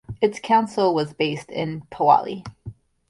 Its council was based in Pwllheli.